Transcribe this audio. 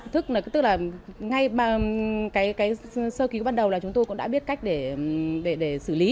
tức là ngay cái sơ ký bắt đầu là chúng tôi cũng đã biết cách để xử lý